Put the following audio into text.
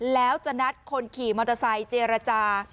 แล้วจะนัดคนขี่มอเตอร์ไซค์เจรจา